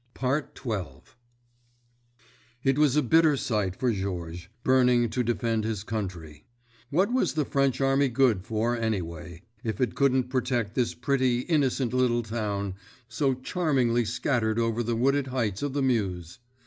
XII It was a bitter sight for Georges, burning to defend his country. What was the French army good for, anyway, if it couldn't protect this pretty, innocent little town, so charmingly scattered over the wooded heights of the Meuse?